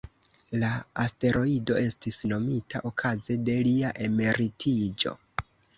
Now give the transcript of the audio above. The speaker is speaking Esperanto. La asteroido estis nomita okaze de lia emeritiĝo.